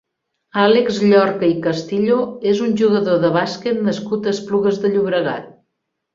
Àlex Llorca i Castillo és un jugador de bàsquet nascut a Esplugues de Llobregat.